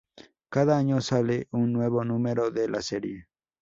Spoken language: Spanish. Cada año sale un nuevo número de la serie.